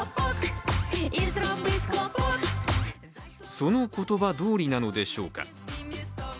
その言葉どおりなのでしょうか。